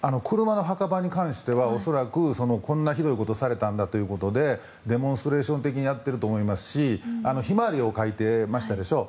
墓場に関してはそんなひどいことをされたんだということでデモンストレーション的にやってると思いますしヒマワリを描いてましたでしょう。